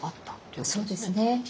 そうですね。